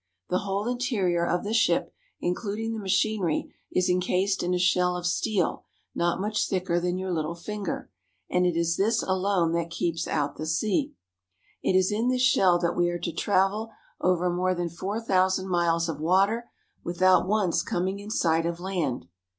The whole interior of the ship including the machinery is incased in a shell of steel not much thicker than your little finger, and it is this alone that keeps out the sea. It is in this shell that we are to travel over more than four thousand miles of water without once coming in sight of land.